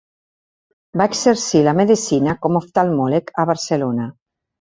Va exercir la medicina com oftalmòleg a Barcelona.